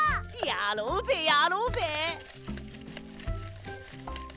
やろうぜやろうぜ！